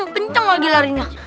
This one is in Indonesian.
tenceng lagi larinya